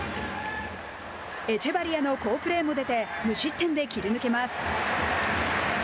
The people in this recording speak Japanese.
エチェバリアの好プレーも出て無失点で切り抜けます。